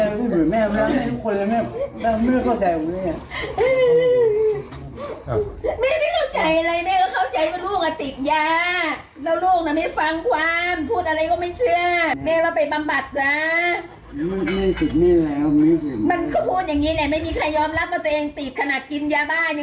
มันก็พูดอย่างนี้แหละไม่มีใครยอมรับว่าตัวเองตีบขนาดกินยาบ้าน